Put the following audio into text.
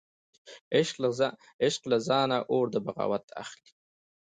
عشق له ځانه اور د بغاوت اخلي